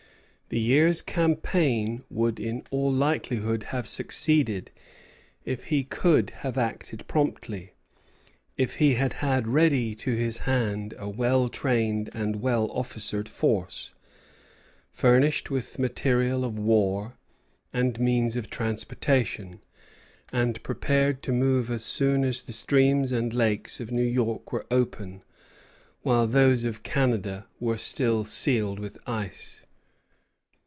The year's campaign would in all likelihood have succeeded if he could have acted promptly; if he had had ready to his hand a well trained and well officered force, furnished with material of war and means of transportation, and prepared to move as soon as the streams and lakes of New York were open, while those of Canada were still sealed with ice.